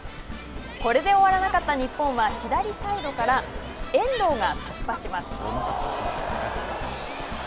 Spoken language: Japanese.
これで終わらなかった日本は左サイドから遠藤が突破します。